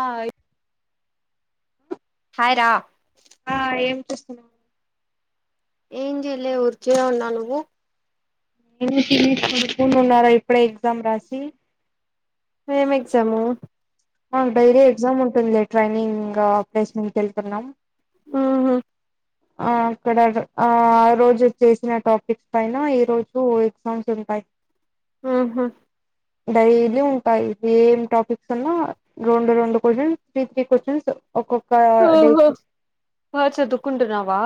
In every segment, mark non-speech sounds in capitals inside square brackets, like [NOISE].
ఆయ్ హయ్ రా ఆ ఏం చూస్తున్నారు ఏం చెయలే ఊర్కే ఉన్నావ్ నువ్వు ఏమి తీని కొడుకు ఉన్నారా ఇప్పుడే ఎగ్జామ్ రాసి ఏం ఎగ్జాము అ డైరీ ఎగ్జామ్ ఉంటుంది ట్రైనింగ్ ఇంక పేస్టుంమ్కివెళ్తున్నా మ్ ఉహు ఆ అక్కడ ఆ ఆ రోజు చేసిన టాపిక్స్ పైన ఈ రోజు ఎగ్జామ్స్ ఉంటాయి ఆహ డైలీ ఉంటాయి ఏం టాపిక్స్ అన్నా రెండు రెండు కొషన్స్ త్రీ త్రీ కొషన్స్ ఓహో బాగ చదుకుంటున్నావా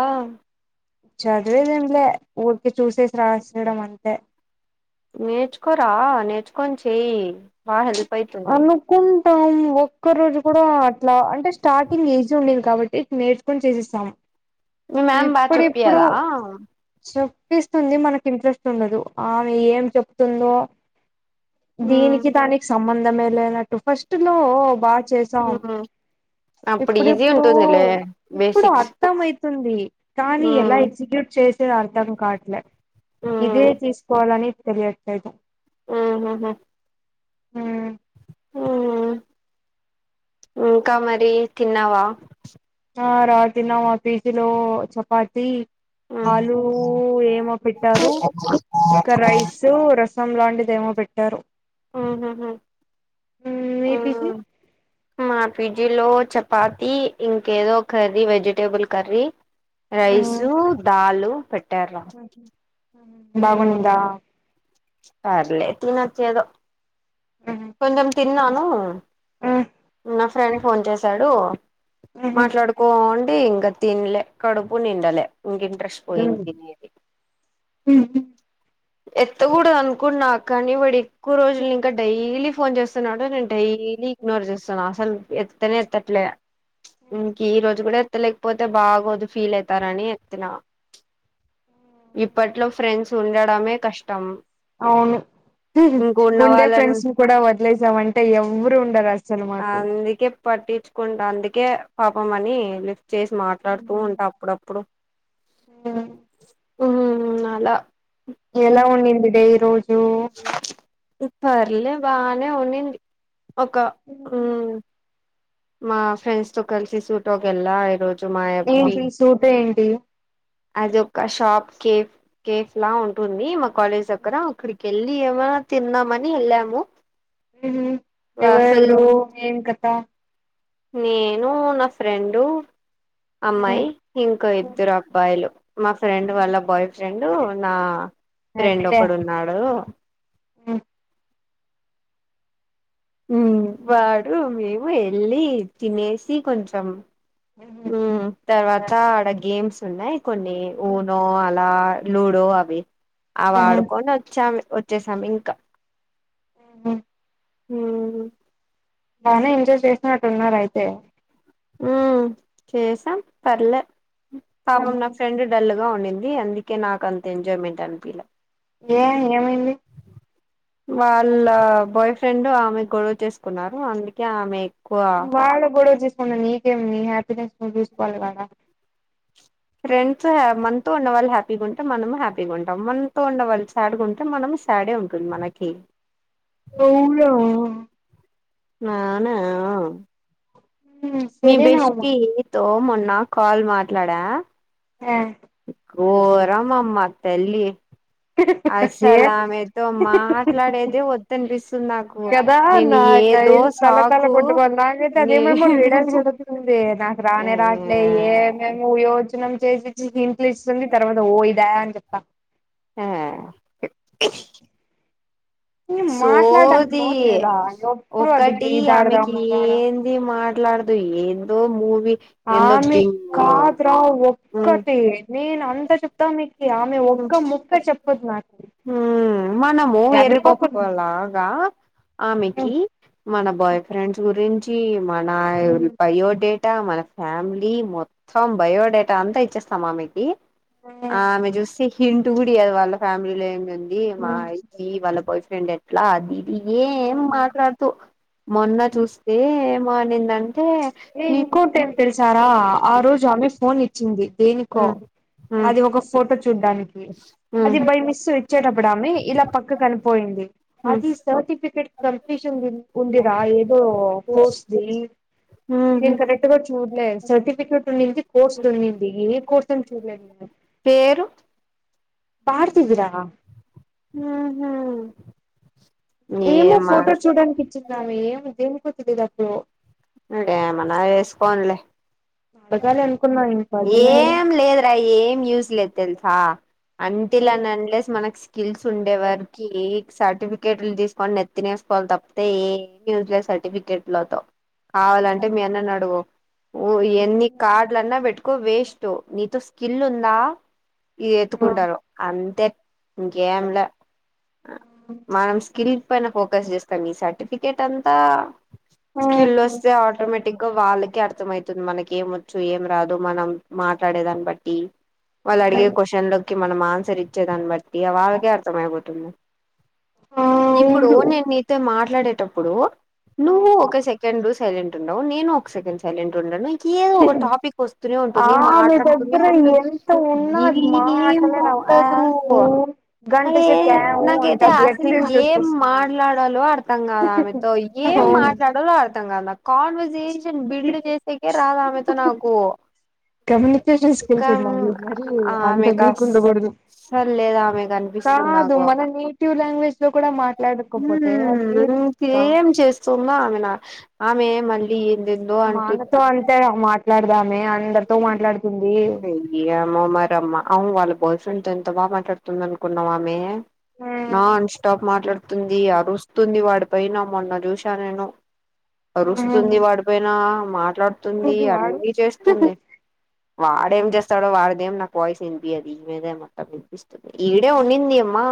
చదివేది ఏమ్ లే ఊరికి చూసేసి రాసేయడం అంతే నేర్చుకోరా నేర్చుకొని చెయయి బాగా హెల్ప్ అయితుంది కుంటాం మ్ ఒక్క రోజు కూడా అట్లా అంటే స్టార్టింగ్ ఏజ్ ఉండేది కాబట్టి నేర్చుకొని చేసేస్తాం మీ మ్యామ్ బాగా చెప్పియదా చప్పిస్తుంది మనకి ఇంట్రెస్ట్ ఉండదు ఆమె ఏం చెప్తుందో ఉమ్ దీనికి దానికి సంబంధమే లేనట్టు ఫస్ట్ లో బా చేస్తే సామ్ ఉమ్ అప్పుడు ఇప్పుడు ఈజీ ఇప్పుడు ఉంటుందిలే ఇప్పుడు బేసిక్స్ అర్థం అయితుంది కానీ ఎలా ఉమ్ ఎగ్జిక్యూట్ చేస్తే అర్థం కాట్లే ఇదే ఉమ్ తీసుకోవాలని తెలియట్లేదు ఆహహ ఉమ్ ఉమ్ ఇంకా మరి తిన్నావా ఆ రా తిన్నం రా పీజిలో చపాతి ఉమ్ ఆలూ ఏమో పెట్టారు ఇంకా రైస్ రైసు రసం లాంటిదేమో పెట్టారు ఆహహ ఉమ్, మీ ఆ పీజీ [INAUDIBLE] మా పిజీలో చపాతి ఇంకేదో కర్రీ వెజిటేబుల్ కర్రీ ఉమ్. రైసు దాలు పెట్టార్రా బాగుందా పర్లేదు నాక్ ఏదో ఉమ్. కొంచం తిన్ననూ అవును నా ఫ్రెండ్ ఫోన్ చేశాడు మాట్లాడుకోంటు ఎమ్ ఇంకా తిన్లే కడుపు నిండలే ఇంక ఇంట్రెస్ట్ పోయింది తినేది ఉంహు ఎత్తగూడదు అనుకున్న కానీ వాడె ఎక్కువ రోజులు ఇంకా డైలీ ఫోన్ చేస్తున్నాడు నేను డైలీ ఇగ్నోర్ చేస్తాన అసలు ఎత్తనే ఎత్తట్లే ప్చ్ ఇంక ఈ రోజు గూడా ఎత్తలేకపోతే బాగోది ఫీల్ ఐతార అని ఎత్తిన ఇప్పట్లో ఫ్రెండ్స్ ఉండడమే కష్టం అవును ఇంక ఉన్న ఉండే వాళ్ళని ఫ్రెండ్స్ని ను కూడా వదిలేసాం అంటే ఎవ్వరు ఉండరు అసల్ అందుకే పట్టించుకుంటా అందుకే పాపంమ అని లిస్ట్ చేసి మాట్లాడుతూ ఉంటా అప్పుడు అప్పుడు ఉంహు అలా ఎలా ఉండింది డే ఈ రోజు పర్లే బానే ఉండింది ఒక మ్ మా ఫ్రెండ్స్ తో కలిసి సూటబ్కెల్ల ఈరోజు మాయప్పి ఏంటి సూట్ ఏంటి అదొక్క షాప్ కిఫ్ కేఫ్ లా ఉంటుంది మా కాలేజ్ దగ్గర అక్కడికెల్లి ఏమన్నా తిందాంమని ఎల్లాము ఉంహు ఎవర ఎవరు ఏం కథ నేను నా ఫ్రెండు అమ్మాయి ఇంకో ఇద్దరు అబ్బాయిలు మా ఫ్రెండ్ వాల్ల బాయ్ ఫ్రెండ్ నా ఫ్రెండ్ ఒకడు ఉన్నాడు ఉమ్ ఉమ్ వాడు మేము ఎల్లి తినేసి కొంచం ఉమ్ తర్వాత ఆడ గేమ్స్ ఉన్నాయ్ కొన్ని ఊనో అలా లూడో అవి అవాడుకొని వచ్చాంమ్ వచ్చేసామ్ ఇంకా ఉమ్ ఉమ్ బానే ఎంజాయ్ చేసినట్టు ఉన్నారు ఐతే ఉమ్ చేసాం పర్లే పాపం నా ఫ్రెండ్ డల్ గా ఉండింది అందుకే నాకు అంత ఎంజాయ్మెంట్ అనిపియలా ఏమ్ ఏమైంది వాళ్ళ బాయ్ ఫ్రెండ్ ఆమె గొడవ చేసుకున్నారు అందుకే ఆమె ఎక్కువ వాల్లు గొడవ చేస్కుంటే నీకేంది నీ హ్యాపీనెస్ నువు చూసుకోవాలి కదా ఫ్రెండ్స్ మనతో ఉన్నవాళ్ళు హ్యాపీగా ఉంటే మనము హ్యాపీగా ఉంటాం మనతో ఉన్నవాళ్ళు సాడ్ గ ఉంటే మనం స్ స్యడే ఉంటుంది మనకి అవునా ననా మ్ మీ బెష్టి తో మొన్న కాల్ మాట్లాడా ఆ గరమఅమ్మ తల్లి ఏ అస్సలు ఆమెతో మాట్లాడేదే వద్దనిపిస్తుంది నాక్ కదా నాకై తల తల కట్టుకోవాలి నాకైతే అది నే ఏమేమో ఇడల్ చదు తుంది నాకు ఆ రానే రాట్లే ఏమేమి యోజనం చేసి చి ఇంట్లు ఇస్తుంది తర్వాత ఓ ఇదా అని చెప్పా ఆ మాట్లాడడానికి సోది నోరు లేదా ఎప్పుడు అది ఒకటి ఇది ఆడదాం ఆమెకి అది ఏ ఆడదాం ది మాట్లాడదు ఏందో మూవి ఆమె కాదురా ఉమ్ ఒక్కటి నేను అంతా చెప్తా మీ కి ఆమె ఒక్క ముక్క చెప్పదు నాకు ఊ మనము ఎర్రి ఎర్రిపాప పప్పు అలాగా ఆమెకి మన బాయ్ ఫ్రెండ్స్ గురించి మన బయో డే టా మన ఫ్యామిలీ మొత్తం బయోడేటా అంతా ఇచ్చేస్తామా ఆమెకి ఆమె చూస్ చే హింట్ గుడి ఇయ్యదు వాళ్ళ ఫ్యామిలీలో ఏమి ఉంది మా ఇ వాళ్ళ బాయ్ ఫ్రెండ్ ఎట్లా అది ఏం మాట్లాడుతూ మొన్న చూస్తే ఏమో అనిందన్ ఏ ఇంకోటి ఏం తెలుసా రా ఆ రోజు ఆమె ఫోన్ ఇ చింది దేనికో హ్మ్ హ్మ్ అది ఒక ఫోటో చూడ్డానికి అది హ్మ్ బై మిస్ వచ్చేటప్పుడు ఆమి ఇలా పక్కకి అని పోయింది హ్మ్ అది సర్టిఫికేట్ కంప్లీషన్ ఉ ఉంది రా ఏదో కోర్స్ ది ఊహూ నేను కరెక్ట్ గా చూడలేదు సర్టిఫికేట్ ఉన్నింది కోర్సు ఉన్నింది ఏ కోర్స్ అని చూడలేదు నేను పేరు పాతది రా ఉహు ఏమో ఫోటో చూడానికి ఇచ్చిందామే ఏమో దేనికో తెలిదు అప్పుడు ఏమన్నా చేసుకోనిలే తగ్గాలి అనుకున్నాయి ఏం లేదురా ఏం యూస్ లేదు తెలుసా అంటిల్ అన్ అన్లెస్ మనక్స్ స్కిల్స్ ఉండే వారికి సర్టిఫికేట్లు తీసుకొని నెత్తినేసుకోవాలి తప్పితే యూజ్లెస్స్ సర్టిఫికెట్ లోతో కావాలంటే మీ అన్నని అడుగు ఎన్ని కార్డ్లన్నా పెట్టుకో వేస్ టు నీతో స్కిల్ ఉందా ఇ ఆ ఎత్తుకుంటారు అంతే ఇంగేంలా మనం స్కల్ పైన ఫోకస్ చేస్తాను ఈ సర్టిఫికెట్ అంతా స్కిల్ వస్తే ఆ ఆటోమేటిక్ గా వాళ్ళకే అర్థం అయితుంది మనకి ఏము చ్చు ఏం రాదు మనం మాట్లాడే దాన్ని బట్టి వాళ్ళు అడిగే క్వశ్చన్లు కి మనం ఆన్సర్ ఇచ్చే దాన్ని బట్టి వాళ్ళకే అర్థమయిపోతుంది ఆ ఇప్పుడు అవును నేను నీతో మాట్లాడేటప్పుడు నువ్వు ఒక సెకండ్ సైలెంట్ ఉండవు నేను ఒక సెకండ్ సైలెంట్ ఉండను ఇంకే ఒక టాపిక్ వస్తూనే ఉంటుంది ఆమె మాట్లాడుతూనే దగ్గర ఉంటది ఎంత ఉన్నా అది మాటలే ఏమో రావు ఆ తదు ఊ ఏ గంటసేపు క్యా ఊ నాకైతే అంటది ఆసలు ఎట్ల ఇంట్రెస్ట్ ఏం వస్తుంది మాట్లాడాలో అర్ రూమ్ కాదా ఆమెతో ఏం అవును మాట్లాడలో అర్థం కాదా కాన్వర్సేషన్ బిల్డ్ చేసే కే రాదు ఆమెతో నాకు కమ్యూనికేషన్ స్కిల్స్ సుకం ఉండాలి మరి అంత ఆమెకి వీక్ ఉండకూడదు అస్సలు లేదు ఆమె కానిపిస్తుంది కాదు నాకు మన నేటివ్ లాంగ్వేజ్ లో కూడా మాట్లాడకపోతే ఉమ్ అది ఇంకేం చేస్ సున్నా ఆమె నా ఆమె మళ్ళీ ఎందెందో అంటు సో అంతే మాట్లాడ్దామే అందరితో మాట్లాడుతుంది ఏమో మారమ్మ అవు వాళ్ళ బాయ్ ఫ్రెండ్తో ఎంత బాగా మాట్లాడుతుంది అనుకున్నాం ఆమె నా అన్స్టాప్ మాట్లాడుతుంది అరుస్తుంది వాడ్ పైన మొన్న చూసా నేను ఆరుస్తుంది వాడి పైన మాట్లాడు తుంది ఇది వాడు అన్నీ చేస్తుంది వాడేం చేస్తాడో వాడ్దేం నాకు వాయిస్ వినిపిలే మీదే మొత్తం విన్పిస్తంది ఈడే ఉండిందమ్మా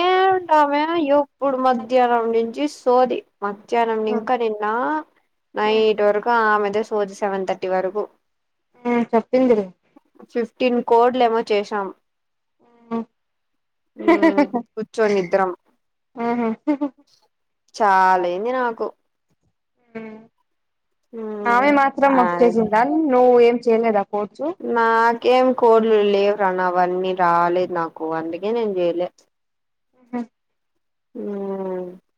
ఏంటామే ఎప్పుడు మధ్యాహ్నం నుంచి సోది మధ్యాహ్నం ఇంకా నిన్న నైట్ వరకు ఆమెతో సోది సెవెన్ థర్టీ వరకు ఆ చెప్పిందిలే ఫిఫ్టీన్ కోడ్లు ఏమో చేశాం ఆ మ్మ్ కూర్చొని ఇద్దరం హహ హ చాలయింది నాకు ఆమె మ్మ్ మాత్రం ఆ మక్ చేసింద నువ్వు ఏం చేయలేదా కోర్చు నాకేం కోళ్లు లేవ్రా నావన్నీ రాలేదు నాకు అందుకే నేను చెయ్లే ఆ ఇంకేం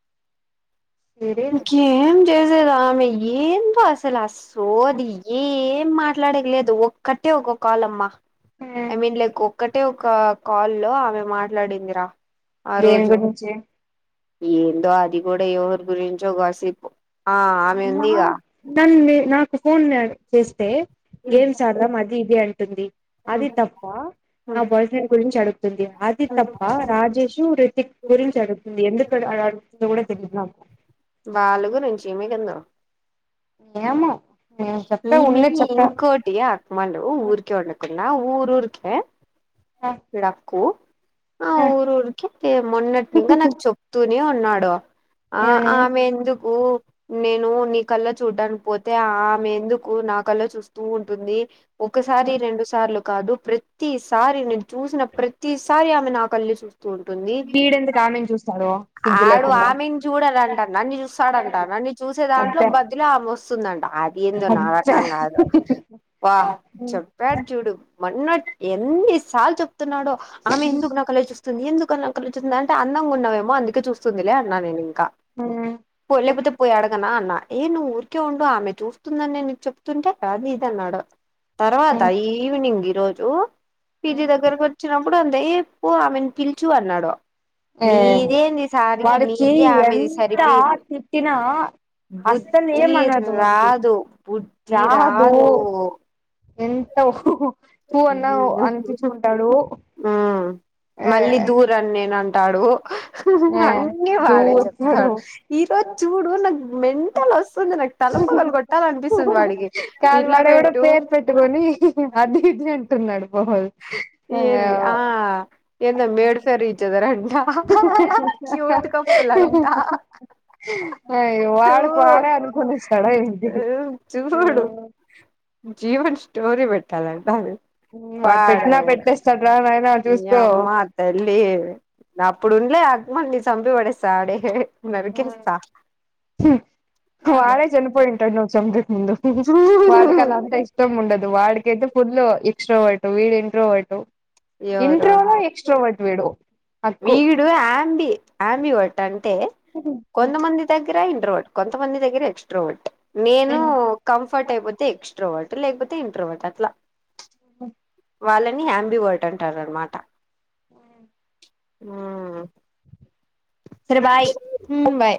ఏరి ఏం చేసేదామి ఏం అసలు సోది ఏ మా మాట్లాడేక్లేదు ఒక్కటే ఒక కాలమ్మా ఆ ఐ మీన్ లైక్ ఒక్కటే ఒక కాల్ల్లో ఆమె మాట్లాడిందిరా ఆ దేని రోజు గురించి ఏందో అది కూడా ఎవరి గురించి చో కాసేపు ఆ నాన్ని నాకు ఫోన్ గాని చేస్తే గేమ్స్ ఆడ్దాం అది ఇది అంటుంది అది తప్ప నా బాయ్ ఫ్రెండ్ గురించి అడుగుతుంది అది తప్ప రాజేష్ తు రితిక్ గురించి అడుతుంది ఎందుకుఆలా అడ్గుతుందో కూడా తెలీదు నాకు బాలుగురించి మీదున్న ఏమో నేను చెప్పా ఉన్నే చెప్పా ఆయె అక్మలు ఊర్కే ఒళకున్నా ఊరు ఊర్క ఆ విడకు ఆ ఊరు ఊర్కి మొన్నట్నింగా నాకు చెప్తూనే ఉన్నాడు ఆ ఆ ఏమని ఆమె ఎందుకు నేను నీ కల్లో చూడ్డానికి పోతే ఆమె ఎందుకు నా కల్ల్లో చూస్తూ ఉంటుంది ఒకసారి రెండు సార్లు కాదు ప్రతిసారి ని చూసిన ప్రతిసారి ఆమె నా కళ్ళే చూస్ తుంటుంది వీడెందుకు ఆమెను చూస్తాడు సిగ్గు ఆడు లేకుండా ఆమెను చూడాడంట నన్ను చూస్తాడంట నన్ను చూసే దాంట్లో అబ్బా బదిలో ఆమె వస్తుందంట ఏందో నాకదంకాదు వా చెప్ వాడ్చూడు మొన్న ఎన్నిసార్లు చెప్తున్నాడో ఆమె ఎందుకు నాకల ఎందుకలా చూస్తుంది అంటే అందం ఉన్నవేమో అందుకే చూస్తుందిలే అన్నా నేను ఇంకా ఆ పోలేకపోతే పోయాడకన్నా అన్నా ఏ నువ్వు ఊరికే ఉండు ఆమె చూస్తుందని నేన్ నీకు చెప్తుంటే అది ఇది అన్నాడు తర్వాత అబ్బా ఈవినింగ్ ఈరోజు పీజీ దగ్గరకు వచ్చినప్పుడు అంతే ఏ పీ ఆమెను పిల్చు అన్నాడు ఏ నీదేంది సారికి వాడికి నీది ఆమెది ఎంత సరిపోయింది తిట్టినా అస్తని ఏం బుద్ధి అనదు అది రాదు బుద్ధి రాదు ఎన్ తు అన్నా అనిపించుకుంటాడు ఉమ్ ఆ మళ్ళీ దూరను నేను అంటాడు ఆ అన్నీ వాడే దూకుతాడు చెప్తాడు ఈ రోజు చూడు నాకు మెంటల్ వస్తుంది నాకు తలపగలు కొట్టాలనిపిస్తుంది వాడికి ఇలా బెట్టు కట్టుకొని అది ఇది అంటున్నాడు వాడు ఏన్ ఆ ఏందో మేడ్ ఫర్ ఈచ్ అదర్ అంట క్యూట్ కప్పుల్ అంట అయ్యో చూ వాడుకి వాడే అనుకోనిస్తాడ ఏంటి చూడు జీవన్ స్టోరి పెట్టాలంటా అది ఉమ్ వాడు పెట్టినా పెట్టేస్తడ్రా నయన చూసుకో ఆ తల్లి అప్పుడుండలే అగమల్ని చంపిబడేస్తా ఆడే ఆ నరికేస్తా హు వాళ్ళే చనిపోయి ట్టడి నువ్వు చంపేయక ముందు వాడుకి అలా అంతా ఇష్ తం ఉండదు వాడికి అయితే ఫుడ్లు ఎక్స్ట్రోవర్ట్ వీడు ఇంట్రోవట్ ఎవరు ఇంట్రోలో ఎక్స్ట్రో వట్ వీడు అక్కు వీడు ఆంబి ఆంబివట్ అంటే కొంతమంది దగ్గర ఇండ్రోడ్ కొంతమంది దగ్గర ఎక్స్ట్రోవట్ నేను కంఫర్ట్ అయిపోతే ఎక్స్ట్రోవర్ట్ లేకపోతే ఇంట్రోవర్ట్ అట్లా వాళ్ళని అంబివర్ట్ అంటారు అనమాట ఆ ఆ సరే బాయ్ హుమ్ బాయ్